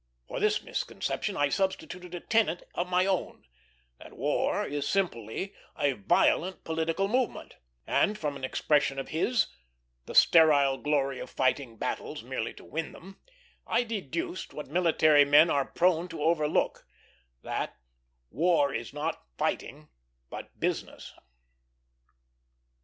For this misconception I substituted a tenet of my own, that war is simply a violent political movement; and from an expression of his, "The sterile glory of fighting battles merely to win them," I deduced, what military men are prone to overlook, that "War is not fighting, but business."